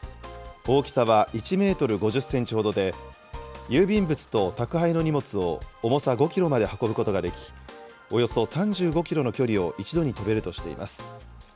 大きさは１メートル５０センチほどで、郵便物と宅配の荷物を、重さ５キロまで運ぶことができ、およそ３５キロの距離を１度に飛べるとしています。